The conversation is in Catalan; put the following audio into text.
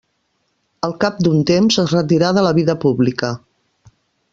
Al cap d'un temps es retirà de la vida pública.